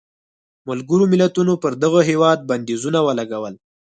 ملګرو ملتونو پر دغه هېواد بندیزونه ولګول.